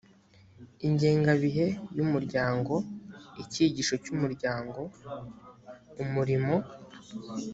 ingengabihe y umuryango icyigisho cy umuryango umurimo